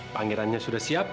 pangirannya sudah siap